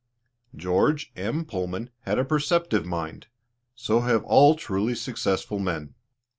George M. Pullman had a perceptive mind so have all truly successful men.